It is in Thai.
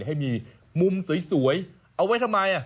ให้มีมุมสวยเอาไว้ทำไม